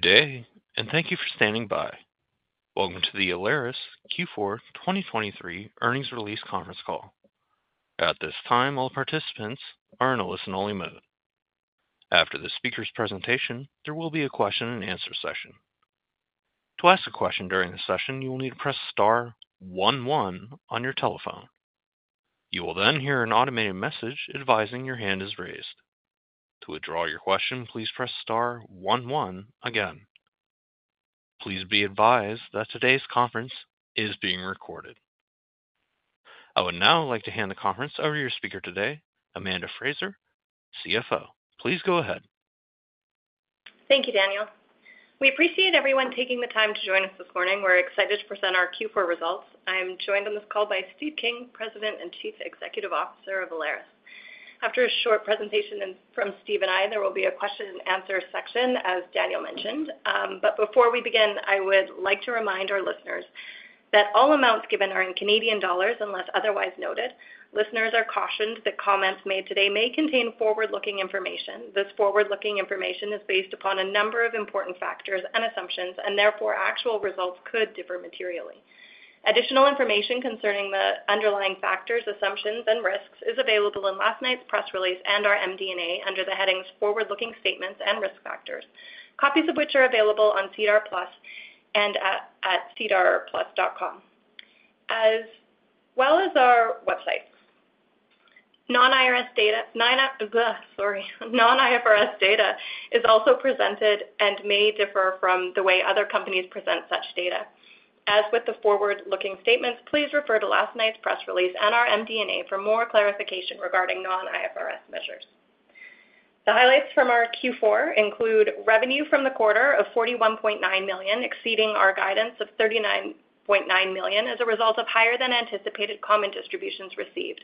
Good day, and thank you for standing by. Welcome to the Alaris Q4 2023 earnings release conference call. At this time, all participants are in a listen-only mode. After the speaker's presentation, there will be a question-and-answer session. To ask a question during the session, you will need to press star one one on your telephone. You will then hear an automated message advising your hand is raised. To withdraw your question, please press star one one again. Please be advised that today's conference is being recorded. I would now like to hand the conference over to your speaker today, Amanda Frazer, CFO. Please go ahead. Thank you, Daniel. We appreciate everyone taking the time to join us this morning. We're excited to present our Q4 results. I am joined on this call by Steve King, President and Chief Executive Officer of Alaris. After a short presentation from Steve and I, there will be a question-and-answer section, as Daniel mentioned. Before we begin, I would like to remind our listeners that all amounts given are in Canadian dollars unless otherwise noted. Listeners are cautioned that comments made today may contain forward-looking information. This forward-looking information is based upon a number of important factors and assumptions, and therefore actual results could differ materially. Additional information concerning the underlying factors, assumptions, and risks is available in last night's press release and our MD&A under the headings "Forward-Looking Statements and Risk Factors," copies of which are available on SEDAR+ and at sedarplus.com, as well as our website. Non-IRS data-sorry-Non-IFRS data is also presented and may differ from the way other companies present such data. As with the forward-looking statements, please refer to last night's press release and our MD&A for more clarification regarding non-IFRS measures. The highlights from our Q4 include revenue from the quarter of 41.9 million, exceeding our guidance of 39.9 million as a result of higher-than-anticipated common distributions received,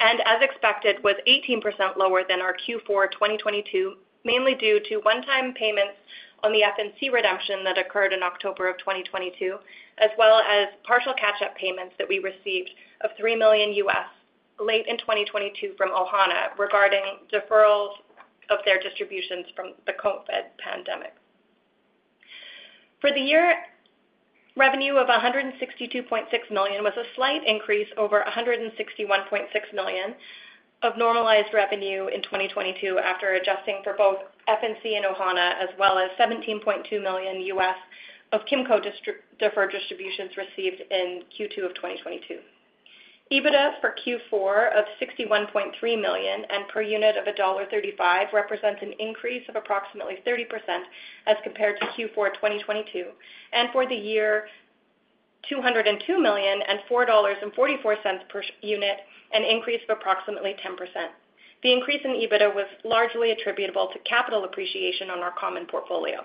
and as expected, was 18% lower than our Q4 2022, mainly due to one-time payments on the FNC redemption that occurred in October 2022, as well as partial catch-up payments that we received of CAD 3 million late in 2022 from Ohana regarding deferrals of their distributions from the COVID pandemic. For the year, revenue of 162.6 million was a slight increase over 161.6 million of normalized revenue in 2022 after adjusting for both FNC and Ohana, as well as 17.2 million of Kimco deferred distributions received in Q2 of 2022. EBITDA for Q4 of 61.3 million and per unit of dollar 1.35 represents an increase of approximately 30% as compared to Q4 2022, and for the year, 202.04 dollars per unit, an increase of approximately 10%. The increase in EBITDA was largely attributable to capital appreciation on our common portfolio.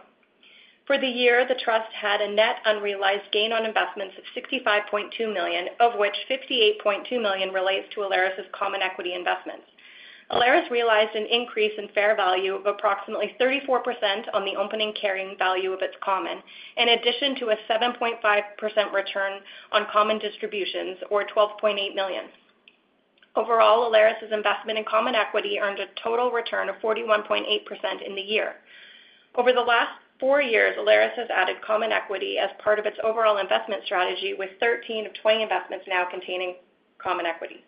For the year, the trust had a net unrealized gain on investments of 65.2 million, of which 58.2 million relates to Alaris's common equity investments. Alaris realized an increase in fair value of approximately 34% on the opening carrying value of its common, in addition to a 7.5% return on common distributions, or 12.8 million. Overall, Alaris's investment in common equity earned a total return of 41.8% in the year. Over the last four years, Alaris has added common equity as part of its overall investment strategy, with 13 of 20 investments now containing common equity.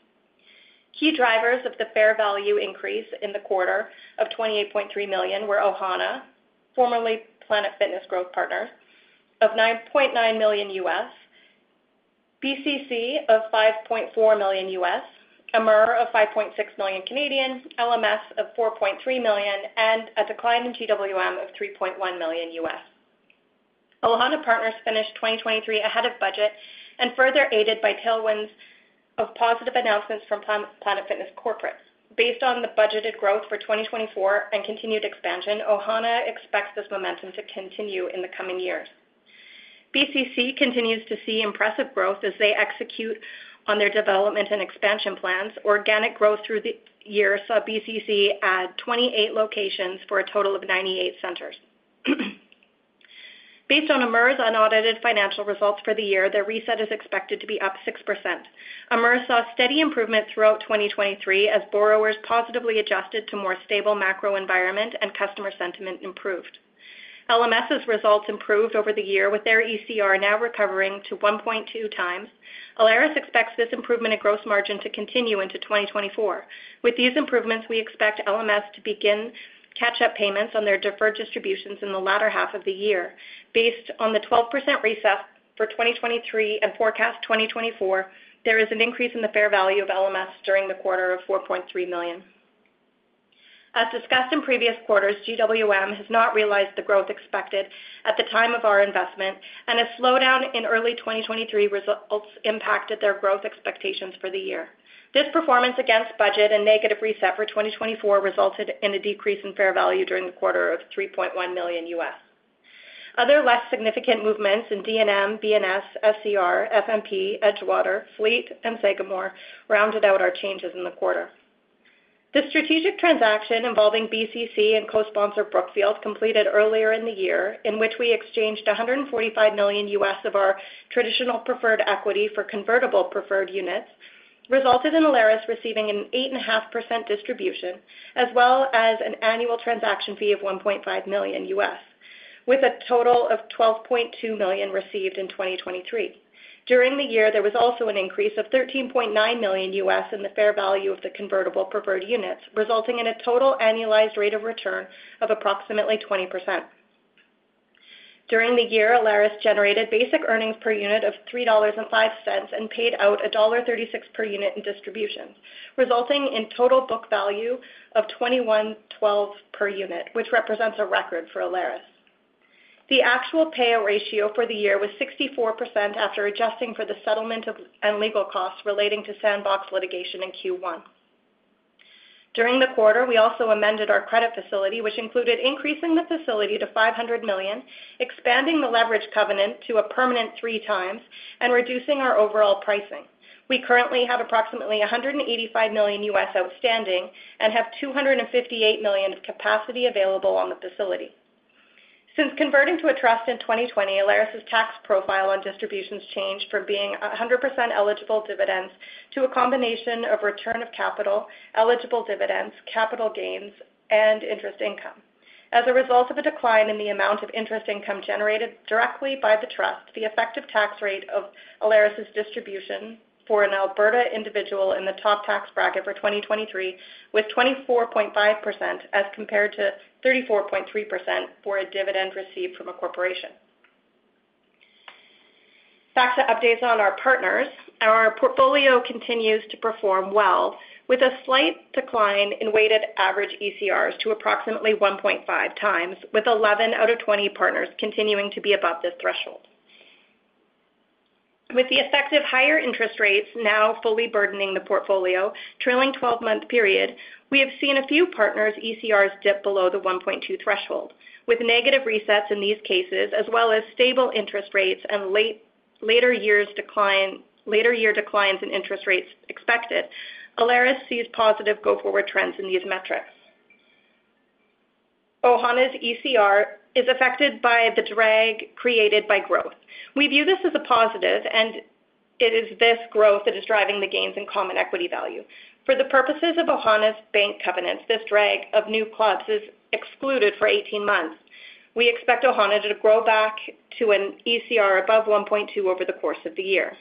Key drivers of the fair value increase in the quarter of $28.3 million were Ohana, formerly Planet Fitness Growth Partners, of $9.9 million, BCC of $5.4 million, Amur of $5.6 million, LMS of $4.3 million, and a decline in GWM of $3.1 million. Ohana Partners finished 2023 ahead of budget and further aided by tailwinds of positive announcements from Planet Fitness Corporate. Based on the budgeted growth for 2024 and continued expansion, Ohana expects this momentum to continue in the coming years. BCC continues to see impressive growth as they execute on their development and expansion plans. Organic growth through the year saw BCC add 28 locations for a total of 98 centers. Based on Amur's unaudited financial results for the year, their reset is expected to be up 6%. Amur saw steady improvement throughout 2023 as borrowers positively adjusted to a more stable macro environment and customer sentiment improved. LMS's results improved over the year, with their ECR now recovering to 1.2 times. Alaris expects this improvement in gross margin to continue into 2024. With these improvements, we expect LMS to begin catch-up payments on their deferred distributions in the latter half of the year. Based on the 12% reset for 2023 and forecast 2024, there is an increase in the fair value of LMS during the quarter of $4.3 million. As discussed in previous quarters, GWM has not realized the growth expected at the time of our investment, and a slowdown in early 2023 results impacted their growth expectations for the year. This performance against budget and negative reset for 2024 resulted in a decrease in fair value during the quarter of $3.1 million. Other less significant movements in D&M, B&S, SCR, F&P, Edgewater, Fleet, and Sagamore rounded out our changes in the quarter. The strategic transaction involving BCC and co-sponsor Brookfield completed earlier in the year, in which we exchanged $145 million of our traditional preferred equity for convertible preferred units, resulted in Alaris receiving an 8.5% distribution, as well as an annual transaction fee of $1.5 million, with a total of $12.2 million received in 2023. During the year, there was also an increase of 13.9 million in the fair value of the convertible preferred units, resulting in a total annualized rate of return of approximately 20%. During the year, Alaris generated basic earnings per unit of 3.05 dollars and paid out dollar 1.36 per unit in distributions, resulting in total book value of 21.12 per unit, which represents a record for Alaris. The actual payout ratio for the year was 64% after adjusting for the settlement and legal costs relating to Sandbox litigation in Q1. During the quarter, we also amended our credit facility, which included increasing the facility to 500 million, expanding the leverage covenant to a permanent 3x, and reducing our overall pricing. We currently have approximately 185 million outstanding and have 258 million of capacity available on the facility. Since converting to a trust in 2020, Alaris's tax profile on distributions changed from being 100% eligible dividends to a combination of return of capital, eligible dividends, capital gains, and interest income. As a result of a decline in the amount of interest income generated directly by the trust, the effective tax rate of Alaris's distribution for an Alberta individual in the top tax bracket for 2023 was 24.5% as compared to 34.3% for a dividend received from a corporation. Facts and updates on our partners: Our portfolio continues to perform well, with a slight decline in weighted average ECRs to approximately 1.5x, with 11 out of 20 partners continuing to be above this threshold. With the effective higher interest rates now fully burdening the portfolio trailing 12-month period, we have seen a few partners' ECRs dip below the 1.2 threshold. With negative resets in these cases, as well as stable interest rates and later year declines in interest rates expected, Alaris sees positive go-forward trends in these metrics. Ohana's ECR is affected by the drag created by growth. We view this as a positive, and it is this growth that is driving the gains in common equity value. For the purposes of Ohana's bank covenants, this drag of new clubs is excluded for 18 months. We expect Ohana to grow back to an ECR above 1.2 over the course of the year.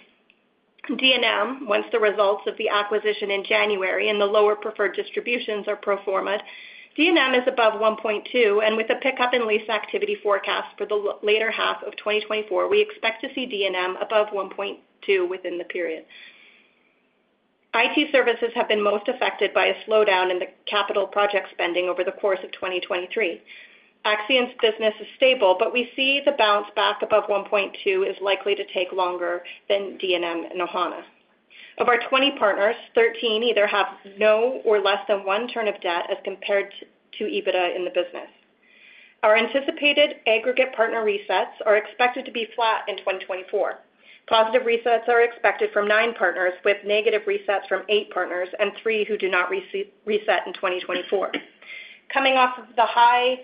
D&M, once the results of the acquisition in January and the lower preferred distributions are pro forma, D&M is above 1.2, and with a pickup in lease activity forecast for the later half of 2024, we expect to see D&M above 1.2 within the period. IT services have been most affected by a slowdown in the capital project spending over the course of 2023. Accion's business is stable, but we see the bounce back above 1.2 is likely to take longer than D&M and Ohana. Of our 20 partners, 13 either have no or less than one turn of debt as compared to EBITDA in the business. Our anticipated aggregate partner resets are expected to be flat in 2024. Positive resets are expected from nine partners, with negative resets from eight partners and three who do not reset in 2024. Coming off of the high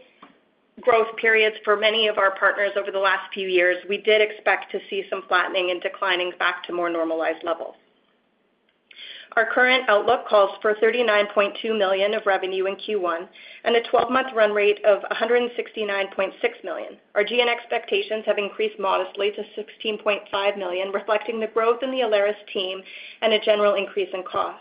growth periods for many of our partners over the last few years, we did expect to see some flattening and declining back to more normalized levels. Our current outlook calls for 39.2 million of revenue in Q1 and a 12-month run rate of 169.6 million. Our G&A expectations have increased modestly to 16.5 million, reflecting the growth in the Alaris team and a general increase in costs.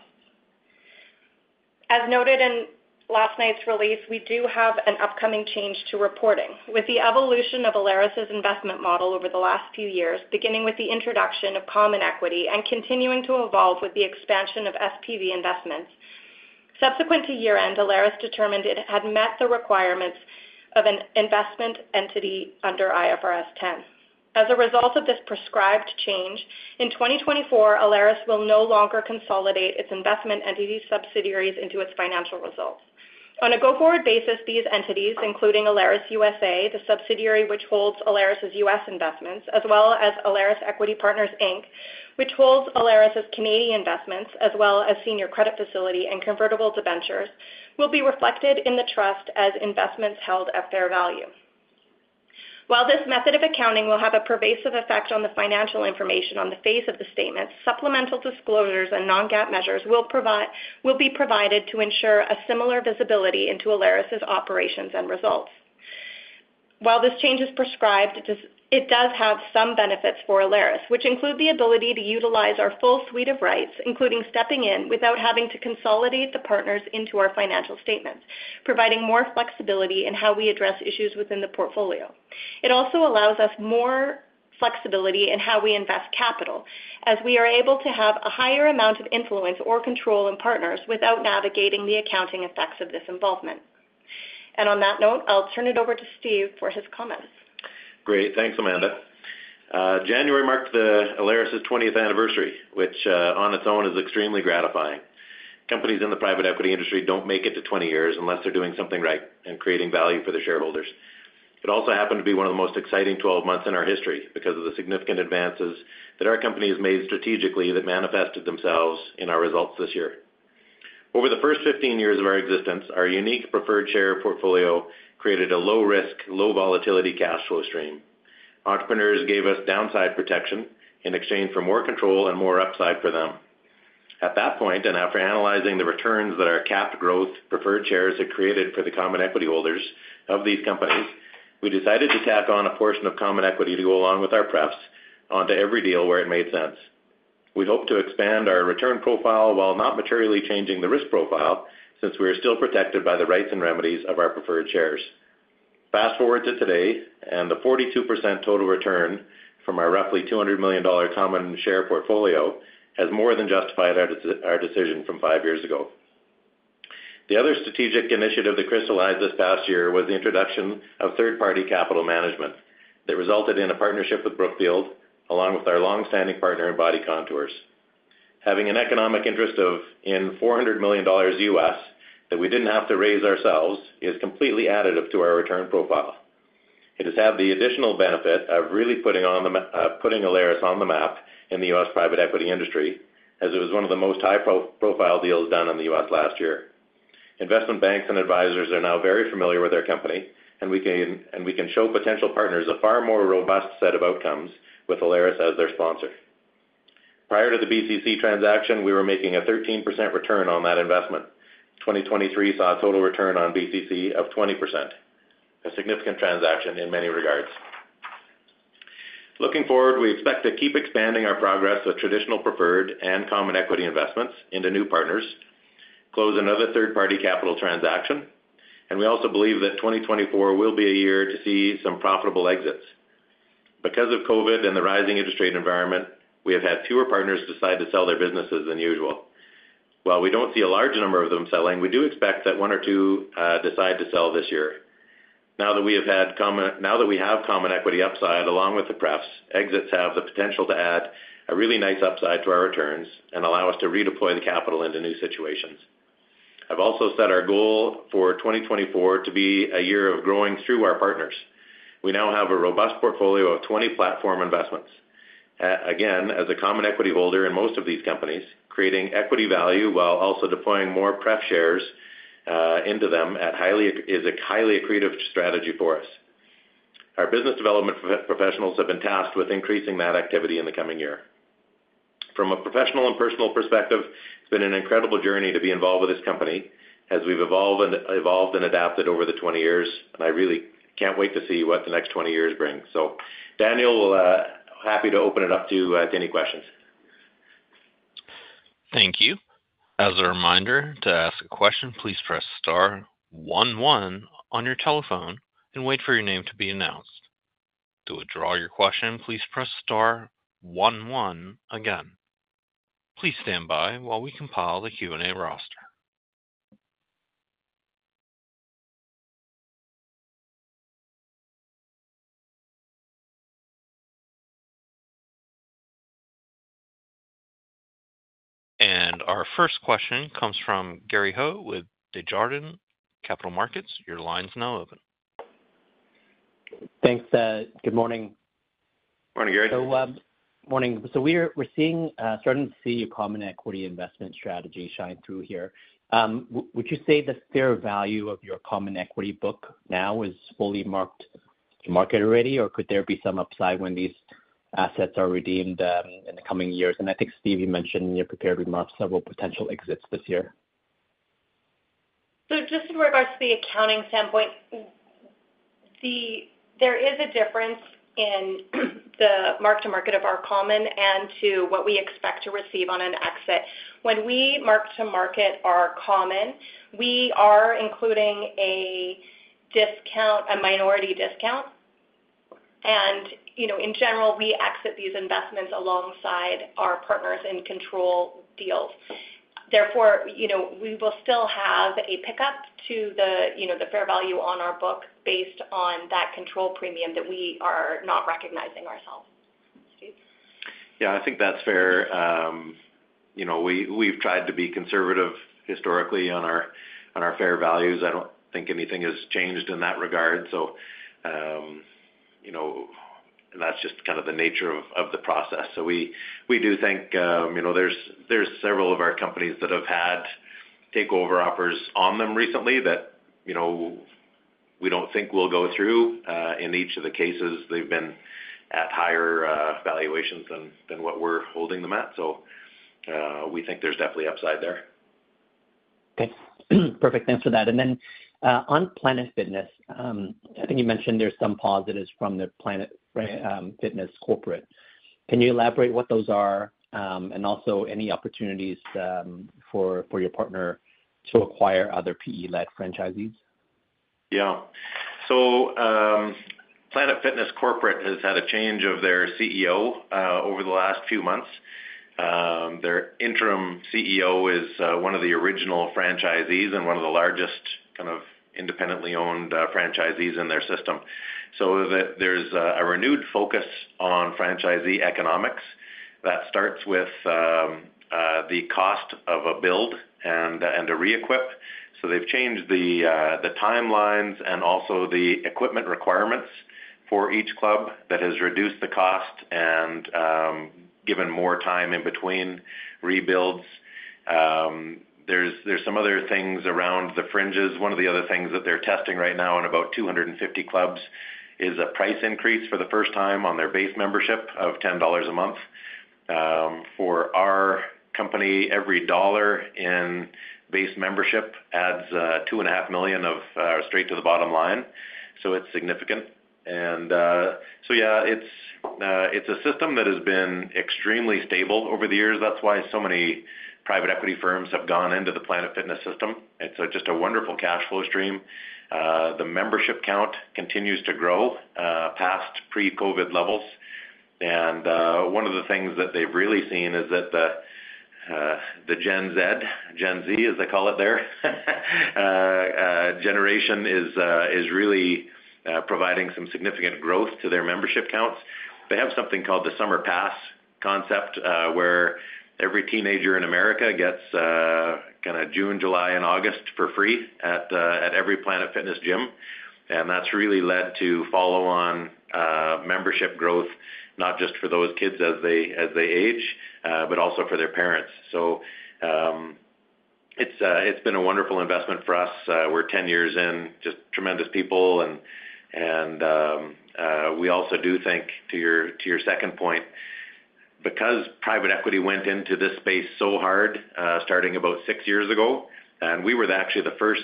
As noted in last night's release, we do have an upcoming change to reporting. With the evolution of Alaris's investment model over the last few years, beginning with the introduction of common equity and continuing to evolve with the expansion of SPV investments, subsequent to year-end, Alaris determined it had met the requirements of an investment entity under IFRS 10. As a result of this prescribed change, in 2024, Alaris will no longer consolidate its investment entity subsidiaries into its financial results. On a go-forward basis, these entities, including Alaris USA, the subsidiary which holds Alaris's U.S. investments, as well as Alaris Equity Partners, Inc., which holds Alaris's Canadian investments, as well as Senior Credit Facility and Convertibles of Ventures, will be reflected in the trust as investments held at fair value. While this method of accounting will have a pervasive effect on the financial information on the face of the statements, supplemental disclosures and non-GAAP measures will be provided to ensure a similar visibility into Alaris's operations and results. While this change is prescribed, it does have some benefits for Alaris, which include the ability to utilize our full suite of rights, including stepping in without having to consolidate the partners into our financial statements, providing more flexibility in how we address issues within the portfolio. It also allows us more flexibility in how we invest capital, as we are able to have a higher amount of influence or control in partners without navigating the accounting effects of this involvement. And on that note, I'll turn it over to Steve for his comments. Great. Thanks, Amanda. January marked Alaris's 20th anniversary, which on its own is extremely gratifying. Companies in the private equity industry don't make it to 20 years unless they're doing something right and creating value for their shareholders. It also happened to be one of the most exciting 12 months in our history because of the significant advances that our company has made strategically that manifested themselves in our results this year. Over the first 15 years of our existence, our unique preferred share portfolio created a low-risk, low-volatility cash flow stream. Entrepreneurs gave us downside protection in exchange for more control and more upside for them. At that point, and after analyzing the returns that our capped growth preferred shares had created for the common equity holders of these companies, we decided to tack on a portion of common equity to go along with our preps onto every deal where it made sense. We hope to expand our return profile while not materially changing the risk profile since we are still protected by the rights and remedies of our preferred shares. Fast forward to today, and the 42% total return from our roughly $200 million common share portfolio has more than justified our decision from five years ago. The other strategic initiative that crystallized this past year was the introduction of third-party capital management that resulted in a partnership with Brookfield along with our longstanding partner and Body Contours. Having an economic interest in $400 million that we didn't have to raise ourselves is completely additive to our return profile. It has had the additional benefit of really putting Alaris on the map in the U.S. private equity industry, as it was one of the most high-profile deals done in the U.S. last year. Investment banks and advisors are now very familiar with our company, and we can show potential partners a far more robust set of outcomes with Alaris as their sponsor. Prior to the BCC transaction, we were making a 13% return on that investment. 2023 saw a total return on BCC of 20%, a significant transaction in many regards. Looking forward, we expect to keep expanding our progress with traditional preferred and common equity investments into new partners, close another third-party capital transaction, and we also believe that 2024 will be a year to see some profitable exits. Because of COVID and the rising interest rate environment, we have had fewer partners decide to sell their businesses than usual. While we don't see a large number of them selling, we do expect that one or two decide to sell this year. Now that we have common equity upside along with the preferreds, exits have the potential to add a really nice upside to our returns and allow us to redeploy the capital into new situations. I've also set our goal for 2024 to be a year of growing through our partners. We now have a robust portfolio of 20 platform investments. Again, as a common equity holder in most of these companies, creating equity value while also deploying more prep shares into them is a highly accretive strategy for us. Our business development professionals have been tasked with increasing that activity in the coming year. From a professional and personal perspective, it's been an incredible journey to be involved with this company as we've evolved and adapted over the 20 years, and I really can't wait to see what the next 20 years bring. So, Daniel, happy to open it up to any questions. Thank you. As a reminder, to ask a question, please press star one one on your telephone and wait for your name to be announced. To withdraw your question, please press star one one again. Please stand by while we compile the Q&A roster. Our first question comes from Gary Ho with Desjardins Capital Markets. Your line's now open. Thanks, Steve. Good morning. Morning, Gary. We're starting to see your common equity investment strategy shine through here. Would you say the fair value of your common equity book now is fully marked to market already, or could there be some upside when these assets are redeemed in the coming years? I think, Steve, you mentioned you're prepared to mark several potential exits this year. Just in regards to the accounting standpoint, there is a difference in the mark-to-market of our common and to what we expect to receive on an exit. When we mark-to-market our common, we are including a minority discount. And in general, we exit these investments alongside our partners in control deals. Therefore, we will still have a pickup to the fair value on our book based on that control premium that we are not recognizing ourselves. Steve? Yeah, I think that's fair. We've tried to be conservative historically on our fair values. I don't think anything has changed in that regard. And that's just kind of the nature of the process. So we do think there's several of our companies that have had takeover offers on them recently that we don't think will go through. In each of the cases, they've been at higher valuations than what we're holding them at. So we think there's definitely upside there. Perfect. Thanks for that. And then on Planet Fitness, I think you mentioned there's some positives from the Planet Fitness Corporate. Can you elaborate what those are and also any opportunities for your partner to acquire other PE-led franchisees? Yeah. So Planet Fitness Corporate has had a change of their CEO over the last few months. Their interim CEO is one of the original franchisees and one of the largest kind of independently owned franchisees in their system. So there's a renewed focus on franchisee economics that starts with the cost of a build and a re-equip. So they've changed the timelines and also the equipment requirements for each club that has reduced the cost and given more time in between rebuilds. There's some other things around the fringes. One of the other things that they're testing right now in about 250 clubs is a price increase for the first time on their base membership of $10 a month. For our company, every dollar in base membership adds $2.5 million straight to the bottom line. So it's significant. And so yeah, it's a system that has been extremely stable over the years. That's why so many private equity firms have gone into the Planet Fitness system. It's just a wonderful cash flow stream. The membership count continues to grow past pre-COVID levels. And one of the things that they've really seen is that the Gen Z, as they call it there, generation is really providing some significant growth to their membership counts. They have something called the Summer Pass concept where every teenager in America gets kind of June, July, and August for free at every Planet Fitness gym. And that's really led to follow-on membership growth, not just for those kids as they age, but also for their parents. So it's been a wonderful investment for us. We're 10 years in, just tremendous people. And we also do think, to your second point, because private equity went into this space so hard starting about 6 years ago, and we were actually the first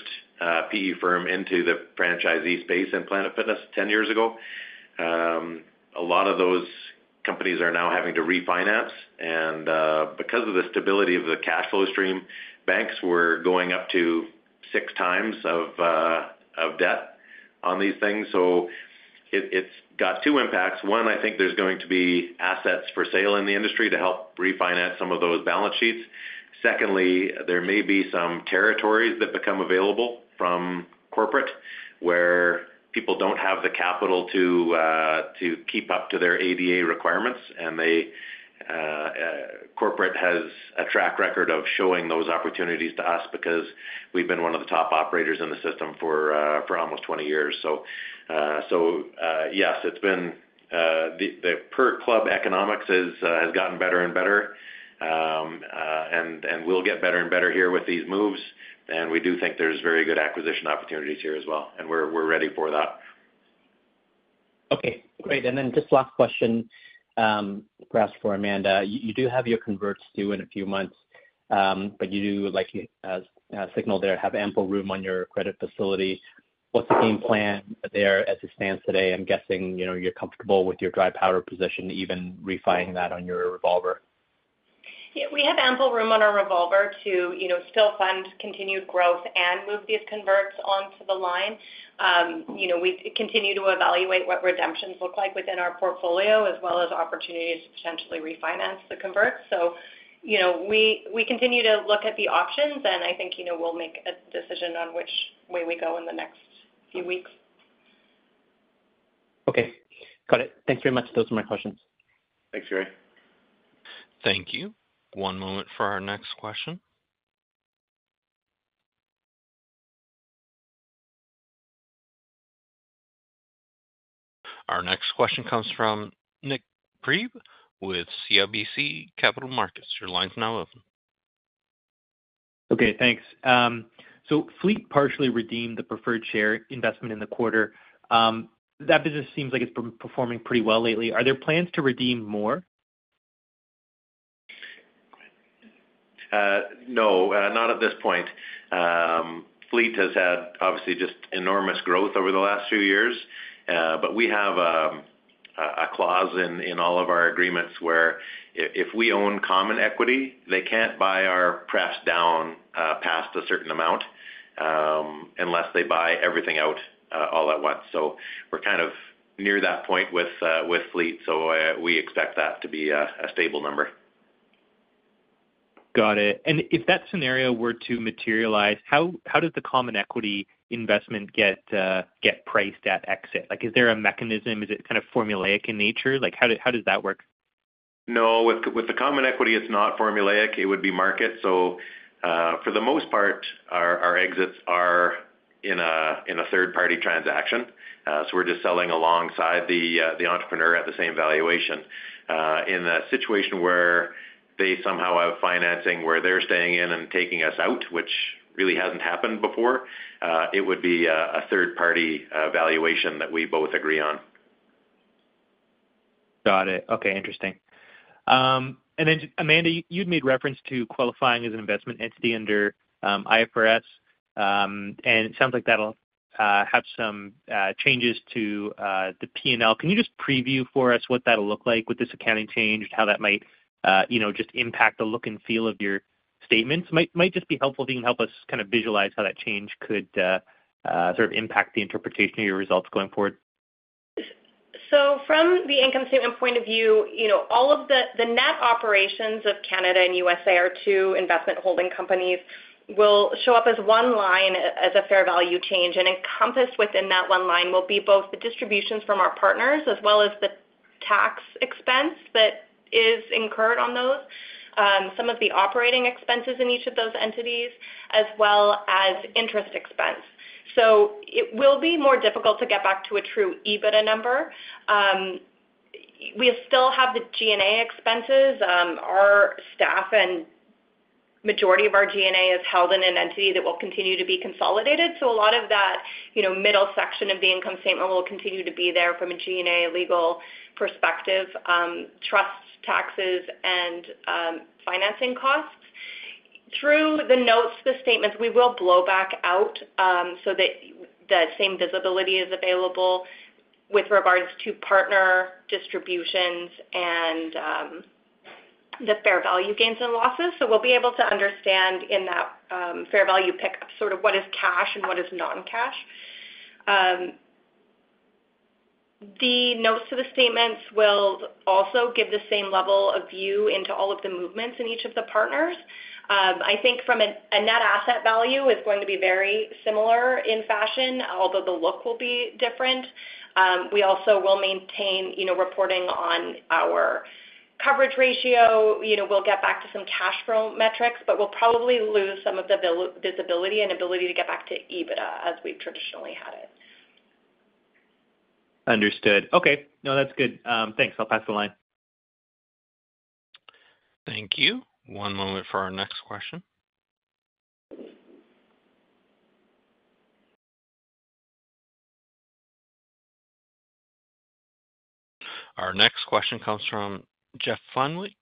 PE firm into the franchisee space in Planet Fitness 10 years ago, a lot of those companies are now having to refinance. And because of the stability of the cash flow stream, banks were going up to 6x debt on these things. So it's got two impacts. One, I think there's going to be assets for sale in the industry to help refinance some of those balance sheets. Secondly, there may be some territories that become available from corporate where people don't have the capital to keep up to their ADA requirements. And corporate has a track record of showing those opportunities to us because we've been one of the top operators in the system for almost 20 years. So yes, it's been the per-club economics has gotten better and better. And we'll get better and better here with these moves. And we do think there's very good acquisition opportunities here as well. And we're ready for that. Okay. Great. And then just last question, perhaps for Amanda. You do have your converts due in a few months, but you do, as you signaled there, have ample room on your credit facility. What's the game plan there as it stands today? I'm guessing you're comfortable with your dry powder position, even refinancing that on your revolver. Yeah, we have ample room on our revolver to still fund continued growth and move these converts onto the line. We continue to evaluate what redemptions look like within our portfolio as well as opportunities to potentially refinance the converts. So we continue to look at the options, and I think we'll make a decision on which way we go in the next few weeks. Okay. Got it. Thanks very much. Those are my questions. Thanks, Gary. Thank you. One moment for our next question. Our next question comes from Nik Priebe with CIBC Capital Markets. Your line's now open. Okay. Thanks. So Fleet partially redeemed the preferred share investment in the quarter. That business seems like it's performing pretty well lately. Are there plans to redeem more? No, not at this point. Fleet has had, obviously, just enormous growth over the last few years. But we have a clause in all of our agreements where if we own common equity, they can't buy our prefs down past a certain amount unless they buy everything out all at once. So we're kind of near that point with Fleet. So we expect that to be a stable number. Got it. And if that scenario were to materialize, how does the common equity investment get priced at exit? Is there a mechanism? Is it kind of formulaic in nature? How does that work? No, with the common equity, it's not formulaic. It would be market. So for the most part, our exits are in a third-party transaction. So we're just selling alongside the entrepreneur at the same valuation. In a situation where they somehow have financing where they're staying in and taking us out, which really hasn't happened before, it would be a third-party valuation that we both agree on. Got it. Okay. Interesting. And then, Amanda, you'd made reference to qualifying as an investment entity under IFRS. And it sounds like that'll have some changes to the P&L. Can you just preview for us what that'll look like with this accounting change and how that might just impact the look and feel of your statements? Might just be helpful if you can help us kind of visualize how that change could sort of impact the interpretation of your results going forward. So from the income statement point of view, all of the net operations of Canadian and Alaris USA investment holding companies will show up as one line as a fair value change. And encompassed within that one line will be both the distributions from our partners as well as the tax expense that is incurred on those, some of the operating expenses in each of those entities, as well as interest expense. So it will be more difficult to get back to a true EBITDA number. We still have the G&A expenses. Our staff and majority of our G&A is held in an entity that will continue to be consolidated. So a lot of that middle section of the income statement will continue to be there from a G&A legal perspective, trust taxes, and financing costs. Through the notes, the statements, we will blow back out so that the same visibility is available with regards to partner distributions and the fair value gains and losses. So we'll be able to understand in that fair value pickup sort of what is cash and what is non-cash. The notes to the statements will also give the same level of view into all of the movements in each of the partners. I think from a net asset value, it's going to be very similar in fashion, although the look will be different. We also will maintain reporting on our coverage ratio. We'll get back to some cash flow metrics, but we'll probably lose some of the visibility and ability to get back to EBITDA as we've traditionally had it. Understood. Okay. No, that's good. Thanks. I'll pass the line. Thank you. One moment for our next question. Our next question comes from Jeff Fenwick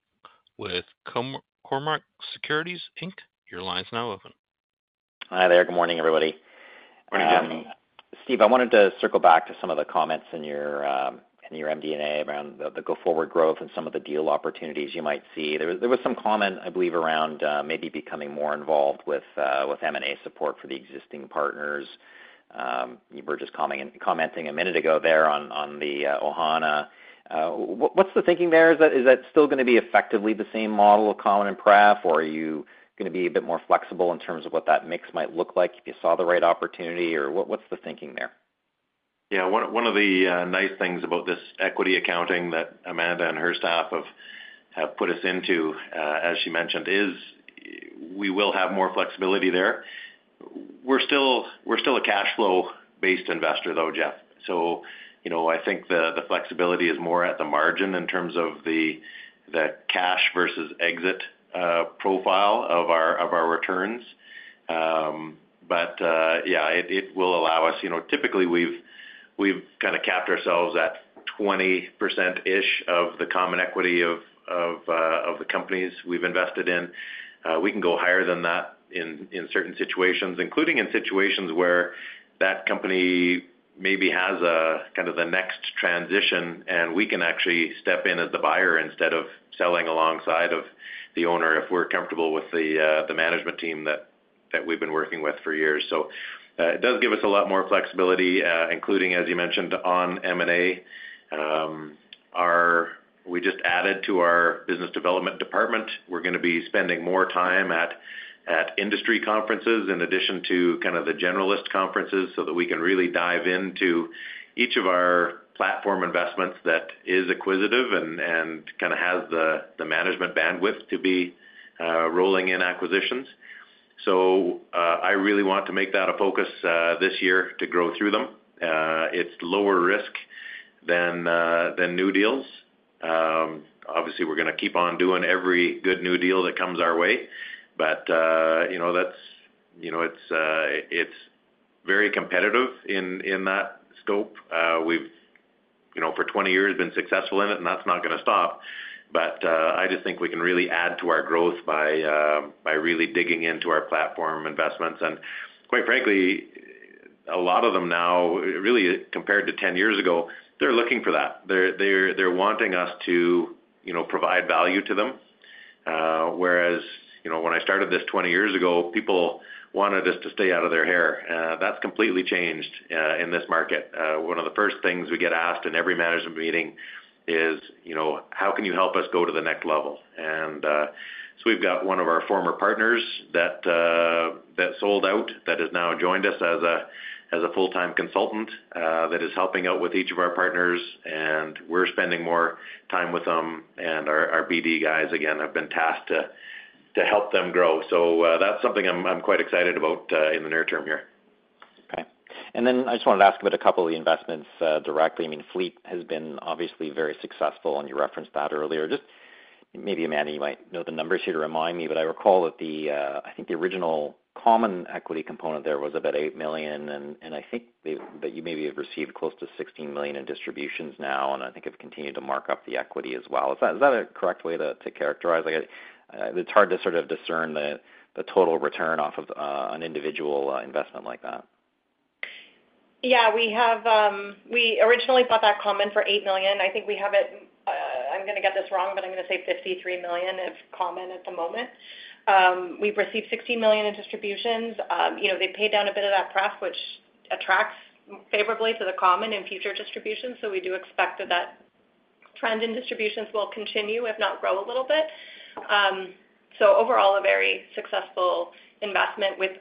with Cormark Securities. Your line's now open. Hi there. Good morning, everybody. Morning, Jeff. Steve, I wanted to circle back to some of the comments in your MD&A around the go-forward growth and some of the deal opportunities you might see. There was some comment, I believe, around maybe becoming more involved with M&A support for the existing partners. You were just commenting a minute ago there on the Ohana. What's the thinking there? Is that still going to be effectively the same model of common and prep, or are you going to be a bit more flexible in terms of what that mix might look like if you saw the right opportunity? Or what's the thinking there? Yeah, one of the nice things about this equity accounting that Amanda and her staff have put us into, as she mentioned, is we will have more flexibility there. We're still a cash flow-based investor, though, Jeff. So I think the flexibility is more at the margin in terms of the cash versus exit profile of our returns. But yeah, it will allow us typically, we've kind of capped ourselves at 20%-ish of the common equity of the companies we've invested in. We can go higher than that in certain situations, including in situations where that company maybe has kind of the next transition, and we can actually step in as the buyer instead of selling alongside of the owner if we're comfortable with the management team that we've been working with for years. So it does give us a lot more flexibility, including, as you mentioned, on M&A. We just added to our business development department. We're going to be spending more time at industry conferences in addition to kind of the generalist conferences so that we can really dive into each of our platform investments that is acquisitive and kind of has the management bandwidth to be rolling in acquisitions. So I really want to make that a focus this year to grow through them. It's lower risk than new deals. Obviously, we're going to keep on doing every good new deal that comes our way. But it's very competitive in that scope. We've, for 20 years, been successful in it, and that's not going to stop. But I just think we can really add to our growth by really digging into our platform investments. And quite frankly, a lot of them now, really compared to 10 years ago, they're looking for that. They're wanting us to provide value to them. Whereas when I started this 20 years ago, people wanted us to stay out of their hair. That's completely changed in this market. One of the first things we get asked in every management meeting is, "How can you help us go to the next level?" So we've got one of our former partners that sold out that has now joined us as a full-time consultant that is helping out with each of our partners. We're spending more time with them. Our BD guys, again, have been tasked to help them grow. So that's something I'm quite excited about in the near term here. Okay. Then I just wanted to ask about a couple of the investments directly. I mean, Fleet has been obviously very successful, and you referenced that earlier. Maybe, Amanda, you might know the numbers here to remind me. But I recall that I think the original common equity component there was about 8 million. And I think that you maybe have received close to 16 million in distributions now, and I think have continued to mark up the equity as well. Is that a correct way to characterize? It's hard to sort of discern the total return off of an individual investment like that. Yeah. We originally bought that common for 8 million. I think we have it. I'm going to get this wrong, but I'm going to say 53 million of common at the moment. We've received 16 million in distributions. They paid down a bit of that prep, which attracts favorably to the common in future distributions. So we do expect that that trend in distributions will continue, if not grow a little bit. So overall, a very successful investment with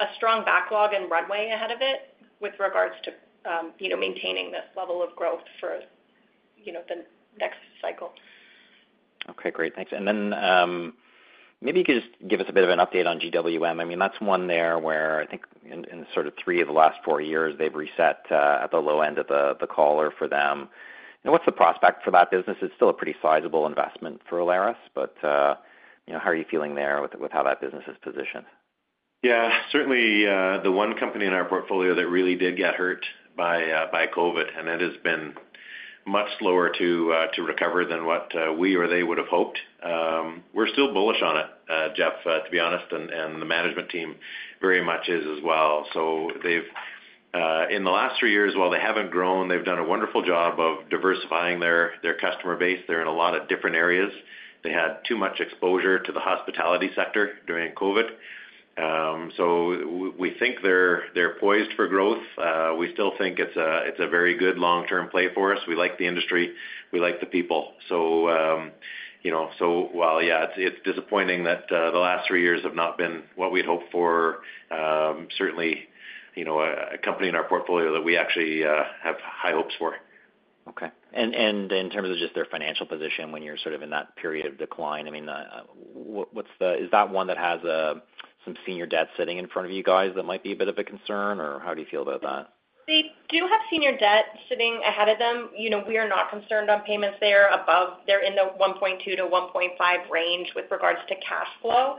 a strong backlog and runway ahead of it with regards to maintaining this level of growth for the next cycle. Okay. Great. Thanks. And then maybe you could just give us a bit of an update on GWM. I mean, that's one there where I think in sort of three of the last four years, they've reset at the low end of the collar for them. What's the prospect for that business? It's still a pretty sizable investment for Alaris, but how are you feeling there with how that business is positioned? Yeah. Certainly, the one company in our portfolio that really did get hurt by COVID, and it has been much slower to recover than what we or they would have hoped. We're still bullish on it, Jeff, to be honest. The management team very much is as well. In the last three years, while they haven't grown, they've done a wonderful job of diversifying their customer base. They're in a lot of different areas. They had too much exposure to the hospitality sector during COVID. So we think they're poised for growth. We still think it's a very good long-term play for us. We like the industry. We like the people. So while, yeah, it's disappointing that the last three years have not been what we'd hoped for, certainly a company in our portfolio that we actually have high hopes for. Okay. And in terms of just their financial position when you're sort of in that period of decline, I mean, is that one that has some senior debt sitting in front of you guys that might be a bit of a concern, or how do you feel about that? They do have senior debt sitting ahead of them. We are not concerned on payments there. They're in the 1.2-1.5 range with regards to cash flow.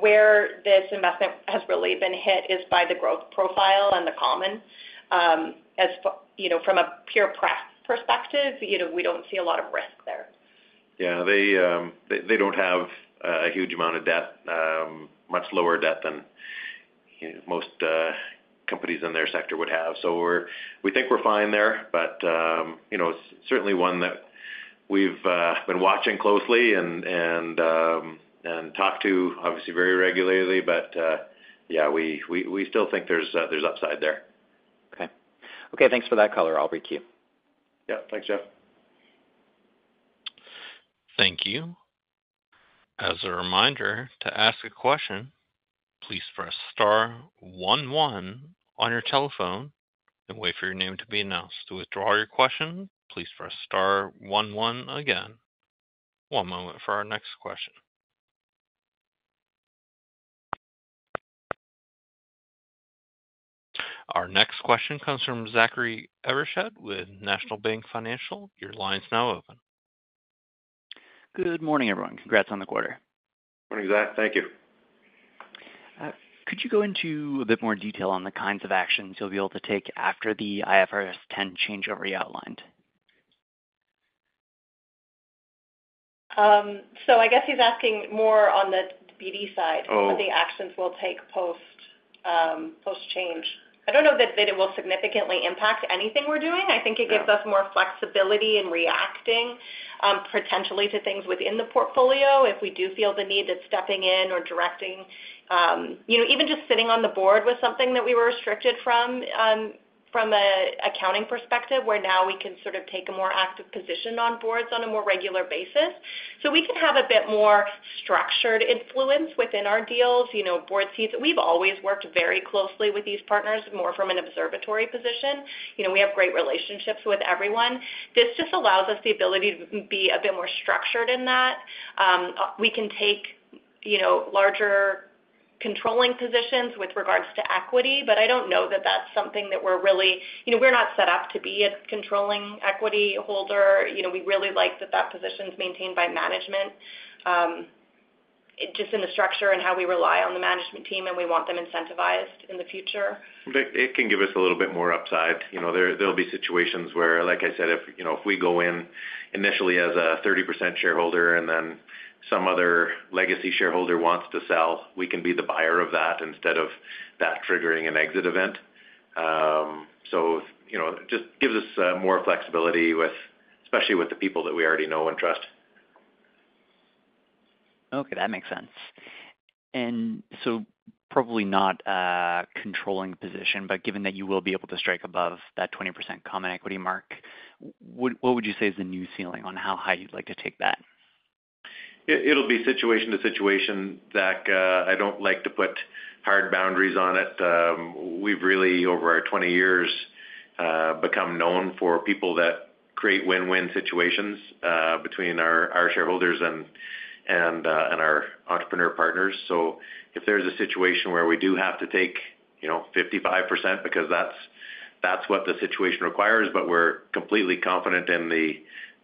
Where this investment has really been hit is by the growth profile and the common. From a pure prep perspective, we don't see a lot of risk there. Yeah. They don't have a huge amount of debt, much lower debt than most companies in their sector would have. So we think we're fine there, but it's certainly one that we've been watching closely and talked to, obviously, very regularly. But yeah, we still think there's upside there. Okay. Okay. Thanks for that, caller. I'll break you. Yep. Thanks, Jeff. Thank you. As a reminder, to ask a question, please press star one one on your telephone and wait for your name to be announced. To withdraw your question, please press star one one again. One moment for our next question. Our next question comes from Zachary Evershed with National Bank Financial. Your line's now open. Good morning, everyone. Congrats on the quarter. Morning, Zach. Thank you. Could you go into a bit more detail on the kinds of actions you'll be able to take after the IFRS 10 changeover you outlined? I guess he's asking more on the BD side, what the actions we'll take post-change. I don't know that it will significantly impact anything we're doing. I think it gives us more flexibility in reacting, potentially, to things within the portfolio if we do feel the need of stepping in or directing even just sitting on the board with something that we were restricted from an accounting perspective, where now we can sort of take a more active position on boards on a more regular basis. We can have a bit more structured influence within our deals, board seats. We've always worked very closely with these partners, more from an observatory position. We have great relationships with everyone. This just allows us the ability to be a bit more structured in that. We can take larger controlling positions with regards to equity, but I don't know that that's something that we're really not set up to be a controlling equity holder. We really like that position's maintained by management, just in the structure and how we rely on the management team, and we want them incentivized in the future. It can give us a little bit more upside. There'll be situations where, like I said, if we go in initially as a 30% shareholder and then some other legacy shareholder wants to sell, we can be the buyer of that instead of that triggering an exit event. So it just gives us more flexibility, especially with the people that we already know and trust. Okay. That makes sense. And so probably not a controlling position, but given that you will be able to strike above that 20% Common Equity mark, what would you say is the new ceiling on how high you'd like to take that? It'll be situation to situation, Zach. I don't like to put hard boundaries on it. We've really, over our 20 years, become known for people that create win-win situations between our shareholders and our entrepreneur partners. So if there's a situation where we do have to take 55% because that's what the situation requires, but we're completely confident in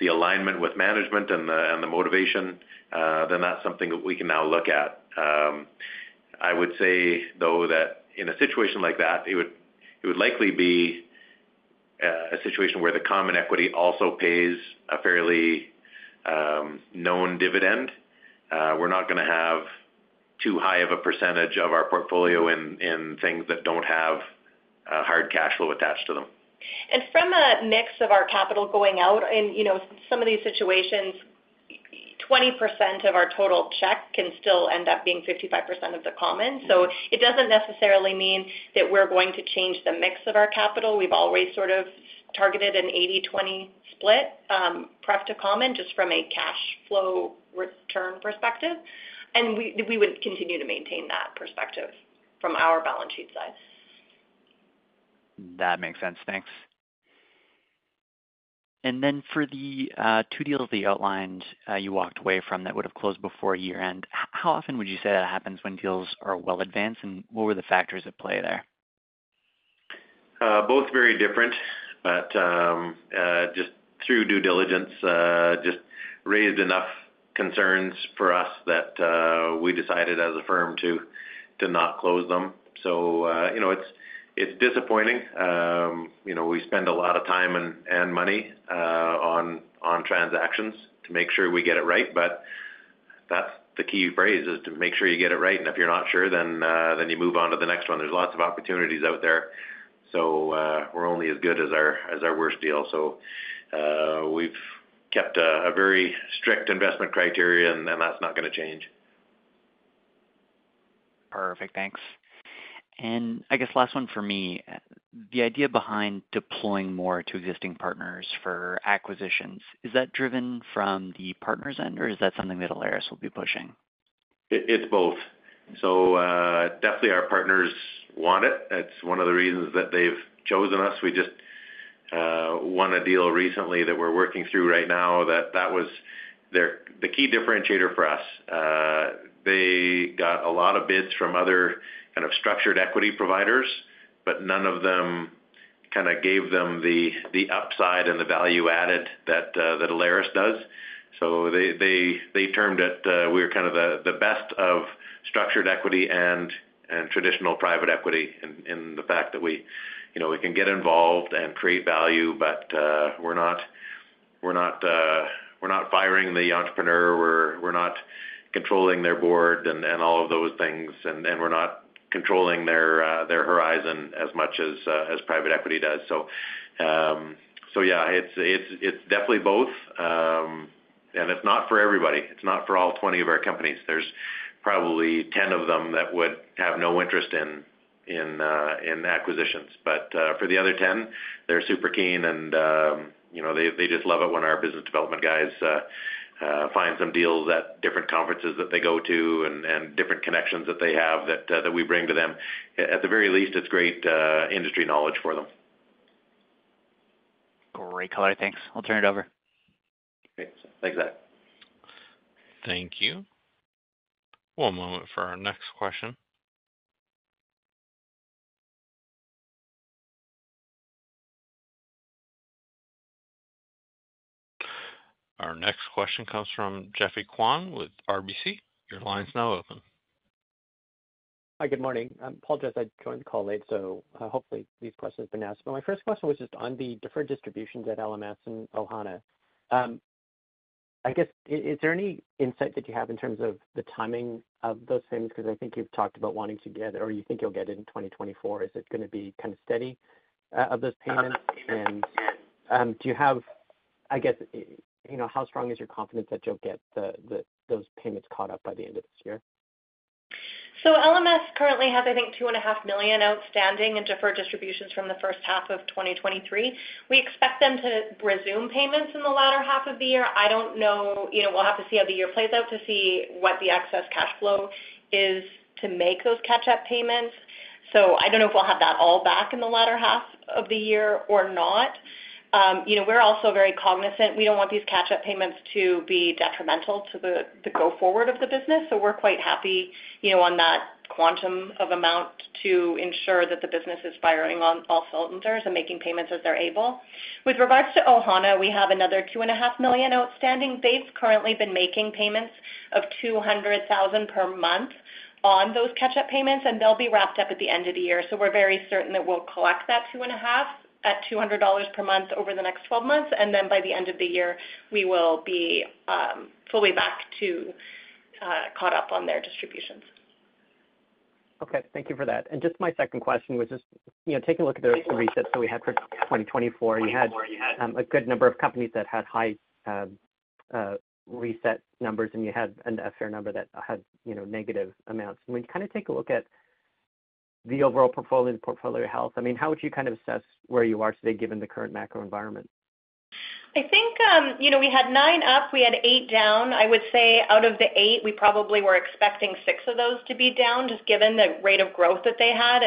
the alignment with management and the motivation, then that's something that we can now look at. I would say, though, that in a situation like that, it would likely be a situation where the common equity also pays a fairly known dividend. We're not going to have too high of a percentage of our portfolio in things that don't have hard cash flow attached to them. From a mix of our capital going out in some of these situations, 20% of our total check can still end up being 55% of the common. So it doesn't necessarily mean that we're going to change the mix of our capital. We've always sort of targeted an 80/20 split pref to common just from a cash flow return perspective. We would continue to maintain that perspective from our balance sheet side. That makes sense. Thanks. And then for the two deals that you outlined you walked away from that would have closed before year-end, how often would you say that happens when deals are well advanced, and what were the factors at play there? Both very different. But just through due diligence, it just raised enough concerns for us that we decided as a firm to not close them. So it's disappointing. We spend a lot of time and money on transactions to make sure we get it right. But that's the key phrase, is to make sure you get it right. And if you're not sure, then you move on to the next one. There's lots of opportunities out there. So we're only as good as our worst deal. So we've kept a very strict investment criteria, and that's not going to change. Perfect. Thanks. I guess last one for me, the idea behind deploying more to existing partners for acquisitions, is that driven from the partner's end, or is that something that Alaris will be pushing? It's both. So definitely, our partners want it. That's one of the reasons that they've chosen us. We just won a deal recently that we're working through right now. That was the key differentiator for us. They got a lot of bids from other kind of structured equity providers, but none of them kind of gave them the upside and the value added that Alaris does. So they termed it, we were kind of the best of structured equity and traditional private equity in the fact that we can get involved and create value, but we're not firing the entrepreneur. We're not controlling their board and all of those things. And we're not controlling their horizon as much as private equity does. So yeah, it's definitely both. And it's not for everybody. It's not for all 20 of our companies. There's probably 10 of them that would have no interest in acquisitions. But for the other 10, they're super keen, and they just love it when our business development guys find some deals at different conferences that they go to and different connections that they have that we bring to them. At the very least, it's great industry knowledge for them. Great, caller. Thanks. I'll turn it over. Great. Thanks, Zach. Thank you. One moment for our next question. Our next question comes from Geoffrey Kwan with RBC. Your line's now open. Hi. Good morning. Apologies. I joined the call late, so hopefully, these questions have been asked. But my first question was just on the different distributions at LMS and Ohana. I guess, is there any insight that you have in terms of the timing of those payments? Because I think you've talked about wanting to get or you think you'll get it in 2024. Is it going to be kind of steady of those payments? And do you have—I guess, how strong is your confidence that you'll get those payments caught up by the end of this year? So LMS currently has, I think, 2.5 million outstanding in deferred distributions from the first half of 2023. We expect them to resume payments in the latter half of the year. I don't know. We'll have to see how the year plays out to see what the excess cash flow is to make those catch-up payments. So I don't know if we'll have that all back in the latter half of the year or not. We're also very cognizant. We don't want these catch-up payments to be detrimental to the go-forward of the business. So we're quite happy on that quantum of amount to ensure that the business is firing all sales and making payments as they're able. With regards to Ohana, we have another 2.5 million outstanding. They've currently been making payments of $200,000 per month on those catch-up payments, and they'll be wrapped up at the end of the year. So we're very certain that we'll collect that $2.5 million at $200,000 per month over the next 12 months. And then by the end of the year, we will be fully back to caught up on their distributions. Okay. Thank you for that. Just my second question was just taking a look at the resets that we had for 2024. You had a good number of companies that had high reset numbers, and you had a fair number that had negative amounts. When you kind of take a look at the overall portfolio and portfolio health, I mean, how would you kind of assess where you are today given the current macro environment? I think we had nine up. We had eight down. I would say out of the eight, we probably were expecting six of those to be down just given the rate of growth that they had.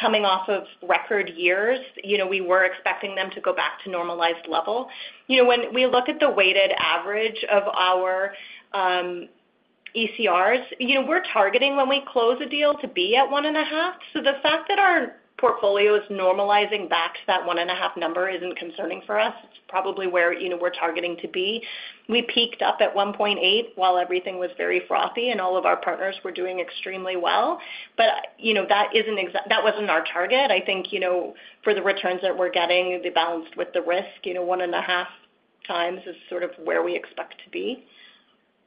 Coming off of record years, we were expecting them to go back to normalized level. When we look at the weighted average of our ECRs, we're targeting, when we close a deal, to be at 1.5. The fact that our portfolio is normalizing back to that 1.5 number isn't concerning for us. It's probably where we're targeting to be. We peaked up at 1.8 while everything was very frothy, and all of our partners were doing extremely well. That wasn't our target. I think for the returns that we're getting, they balanced with the risk. 1.5x is sort of where we expect to be.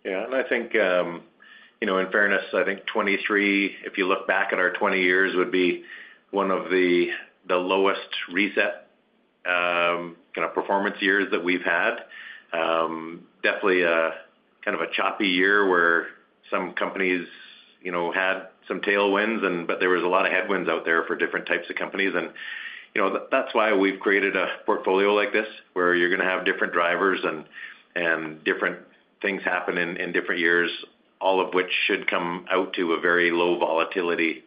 Yeah. And I think, in fairness, I think 2023, if you look back at our 20 years, would be one of the lowest reset kind of performance years that we've had. Definitely kind of a choppy year where some companies had some tailwinds, but there was a lot of headwinds out there for different types of companies. And that's why we've created a portfolio like this, where you're going to have different drivers and different things happen in different years, all of which should come out to a very low volatility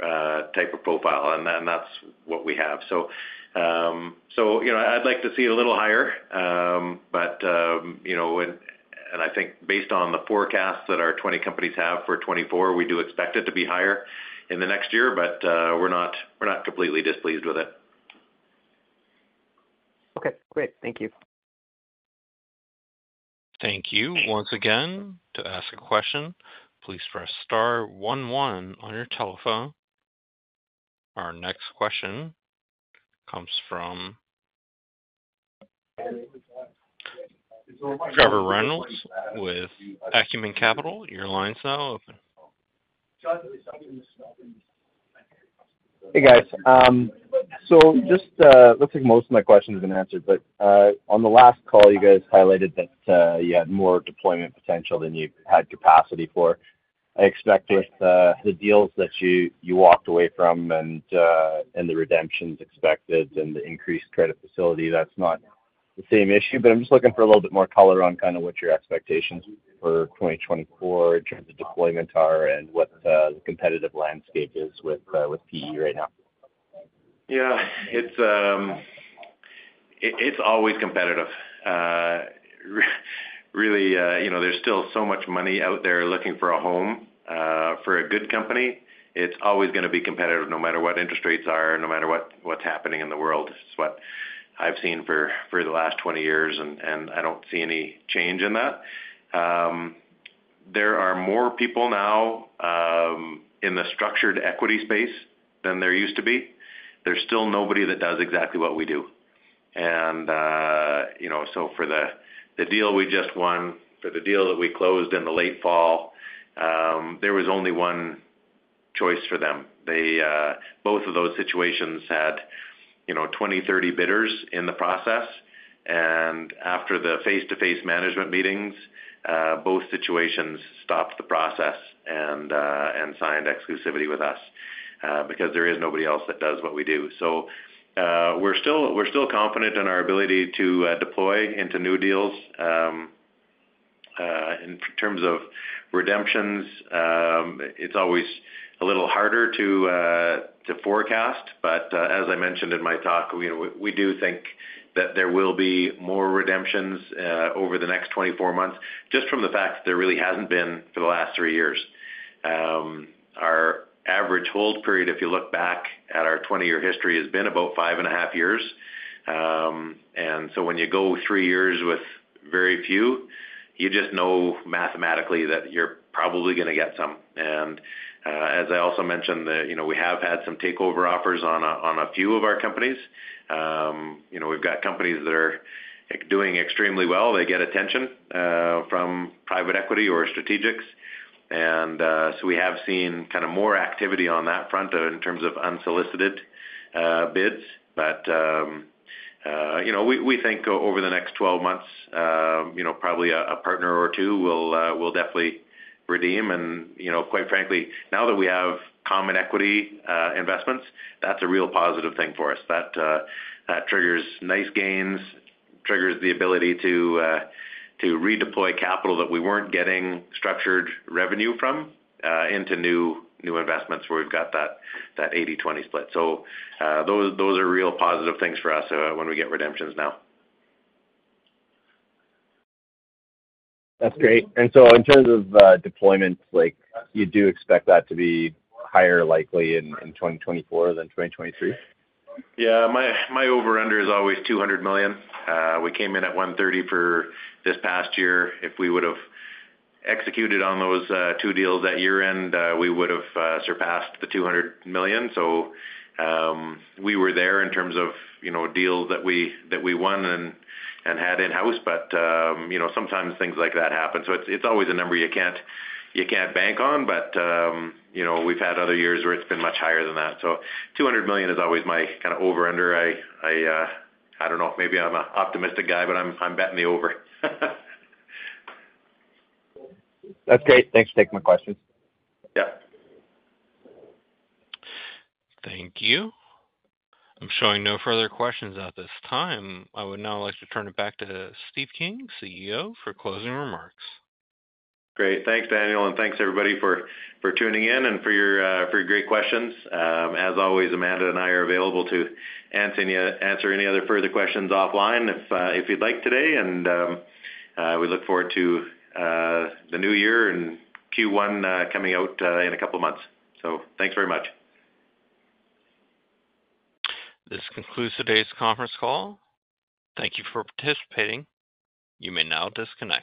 type of profile. And that's what we have. So I'd like to see it a little higher. And I think based on the forecasts that our 20 companies have for 2024, we do expect it to be higher in the next year, but we're not completely displeased with it. Okay. Great. Thank you. Thank you once again to ask a question. Please press star one one on your telephone. Our next question comes from Trevor Reynolds with Acumen Capital. Your line's now open. Hey, guys. So it looks like most of my questions have been answered. But on the last call, you guys highlighted that you had more deployment potential than you had capacity for. I expect with the deals that you walked away from and the redemptions expected and the increased credit facility, that's not the same issue. But I'm just looking for a little bit more color on kind of what your expectations for 2024 in terms of deployment are and what the competitive landscape is with PE right now? Yeah. It's always competitive. Really, there's still so much money out there looking for a home for a good company. It's always going to be competitive no matter what interest rates are, no matter what's happening in the world. It's what I've seen for the last 20 years, and I don't see any change in that. There are more people now in the structured equity space than there used to be. There's still nobody that does exactly what we do. And so for the deal we just won, for the deal that we closed in the late fall, there was only one choice for them. Both of those situations had 20, 30 bidders in the process. And after the face-to-face management meetings, both situations stopped the process and signed exclusivity with us because there is nobody else that does what we do. So we're still confident in our ability to deploy into new deals. In terms of redemptions, it's always a little harder to forecast. But as I mentioned in my talk, we do think that there will be more redemptions over the next 24 months just from the fact that there really hasn't been for the last three years. Our average hold period, if you look back at our 20-year history, has been about five and half years. And so when you go three years with very few, you just know mathematically that you're probably going to get some. And as I also mentioned, we have had some takeover offers on a few of our companies. We've got companies that are doing extremely well. They get attention from private equity or strategics. And so we have seen kind of more activity on that front in terms of unsolicited bids. But we think over the next 12 months, probably a partner or two will definitely redeem. And quite frankly, now that we have common equity investments, that's a real positive thing for us. That triggers nice gains, triggers the ability to redeploy capital that we weren't getting structured revenue from into new investments where we've got that 80/20 split. So those are real positive things for us when we get redemptions now. That's great. And so in terms of deployments, you do expect that to be higher, likely in 2024 than 2023? Yeah. My over/under is always 200 million. We came in at 130 million for this past year. If we would have executed on those two deals at year-end, we would have surpassed the 200 million. So we were there in terms of deals that we won and had in-house. But sometimes things like that happen. So it's always a number you can't bank on. But we've had other years where it's been much higher than that. So 200 million is always my kind of over/under. I don't know. Maybe I'm an optimistic guy, but I'm betting the over. That's great. Thanks for taking my questions. Yep. Thank you. I'm showing no further questions at this time. I would now like to turn it back to Steve King, CEO, for closing remarks. Great. Thanks, Daniel. And thanks, everybody, for tuning in and for your great questions. As always, Amanda and I are available to answer any other further questions offline if you'd like today. And we look forward to the new year and Q1 coming out in a couple of months. So thanks very much. This concludes today's conference call. Thank you for participating. You may now disconnect.